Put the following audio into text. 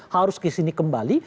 harus kesini kembali